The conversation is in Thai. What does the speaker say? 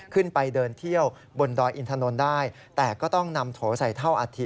ขึ้นไปเดินเที่ยวบนดอยอินถนนได้แต่ก็ต้องนำโถใส่เท่าอัฐิ